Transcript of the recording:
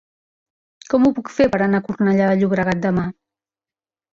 Com ho puc fer per anar a Cornellà de Llobregat demà?